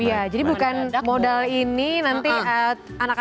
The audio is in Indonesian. iya jadi bukan modal ini nanti anak anaknya bisa ditinggalkan